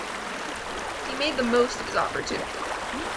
He made the most of his opportunity.